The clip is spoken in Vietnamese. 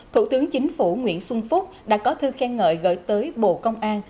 thủ tướng chính phủ nguyễn xuân phúc đã có thư khen ngợi gửi tới bộ công an